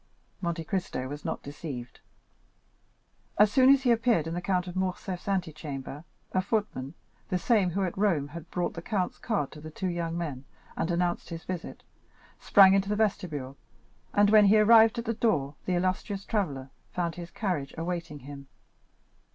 Monte Cristo was not deceived. As soon as he appeared in the Count of Morcerf's antechamber, a footman, the same who at Rome had brought the count's card to the two young men, and announced his visit, sprang into the vestibule, and when he arrived at the door the illustrious traveller found his carriage awaiting him.